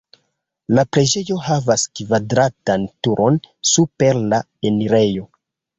La preĝejo havas kvadratan turon super la enirejo.